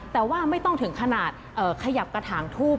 แต่ว่าไม่ต้องถึงขนาดขยับกระถางทูบ